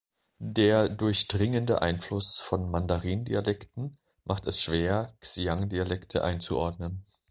Der durchdringende Einfluss von Mandarin-Dialekten macht es schwer, Xiang-Dialekte einzuordnen.